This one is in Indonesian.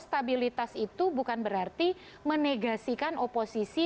stabilitas itu bukan berarti menegasikan oposisi